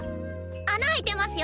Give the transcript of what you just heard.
穴あいてますよ。